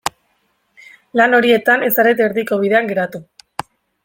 Lan horietan ez zarete erdiko bidean geratu.